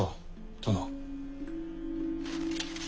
殿。